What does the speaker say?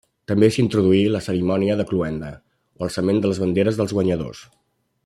També s'introduí la cerimònia de cloenda o l'alçament de les banderes dels guanyadors.